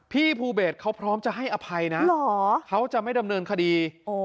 พี่ภูเบสเขาพร้อมจะให้อภัยนะเขาจะไม่ดำเนินคดี